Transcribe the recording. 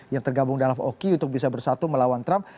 yang tergabung dalam oki untuk bisa bersatu melawan trump